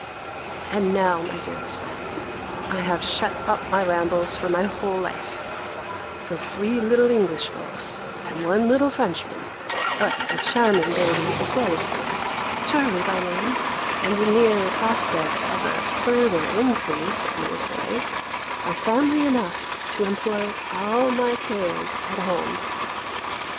And now, my dearest friend, I have shut up my rambles for my whole life; for three little English folks, and one little Frenchman (but a charming baby as well as the rest, Charley by name), and a near prospect of a further increase, you will say, are family enough to employ all my cares at home.